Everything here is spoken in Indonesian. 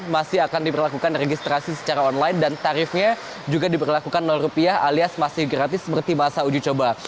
masih akan diperlakukan registrasi secara online dan tarifnya juga diberlakukan rupiah alias masih gratis seperti masa uji coba